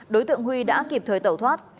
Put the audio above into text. đối tượng huy đã kịp thời tẩu thoát